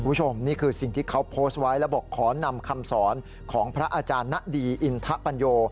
คุณผู้ชมนี่คือสิ่งที่เขาโพสต์ไว้แล้วบอกขอนำคำสอนของพระอาจารย์ณดีอินทะปัญโย